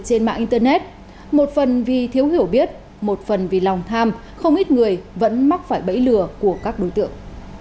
trên mạng internet một phần vì thiếu hiểu biết một phần vì lòng tham không ít người vẫn mắc phải bẫy lừa của các đối tượng